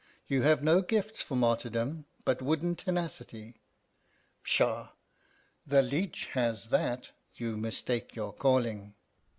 You have no gifts for martyrdom but wooden tenacity. Pshaw! the leech has that. You mistake your calling."